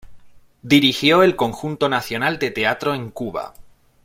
Dirigió el Conjunto Nacional del Teatro en Cuba.